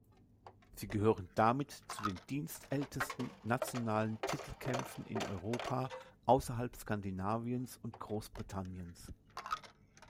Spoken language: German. Sie gehören damit zu den dienstältesten nationalen Titelkämpfen in Europa außerhalb Skandinaviens und Großbritanniens.